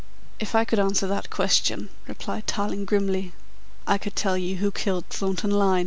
"If I could answer that question," replied Tarling grimly, "I could tell you who killed Thornton Lyne."